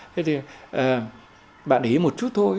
thế thì bạn ý một chút thôi